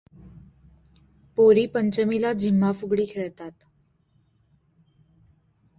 पोरी पंचमीला झिम्मा, फुगडी खेळतात.